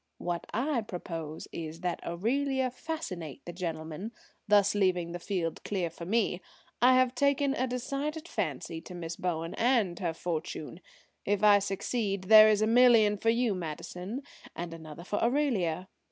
What I propose is that Aurelia fascinate the gentleman, thus leaving the field clear for me. I have taken a decided fancy to Miss Bowen and her fortune. If I succeed there is a million for you, Madison, and another for Aurelia.